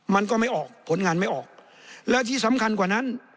มันก็ไม่ออกผลงานไม่ออกแล้วที่สำคัญกว่านั้น